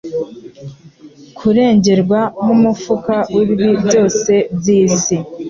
kurengerwa nkumufuka wibibi byose byisi